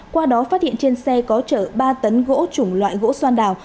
qua đó phát hiện trên xe có chở ba tấn gỗ chủng loại gỗ xoan đào